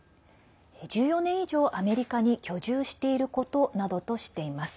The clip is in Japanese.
１４年以上、アメリカに居住していることなどとしています。